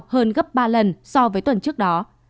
hơn gấp ba lần so với tuần trước đó